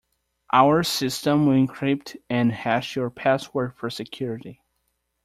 Our systems will encrypt and hash your password for security.